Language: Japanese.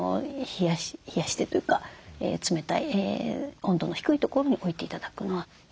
冷やしてというか冷たい温度の低い所に置いて頂くのはいいことですので。